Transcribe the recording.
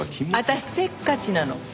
私せっかちなの。